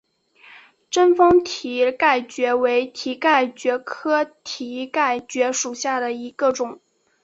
贞丰蹄盖蕨为蹄盖蕨科蹄盖蕨属下的一个种。